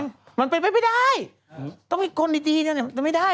เออมันเป็นไปไม่ได้ต้องมีคนดีอย่างนี้แต่ไม่ได้